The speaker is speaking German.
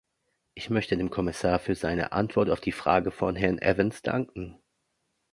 Ich möchte dem Kommissar für seine Antwort auf die Frage von Herrn Evans danken.